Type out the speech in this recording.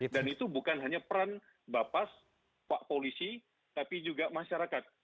dan itu bukan hanya peran bapas pak polisi tapi juga masyarakat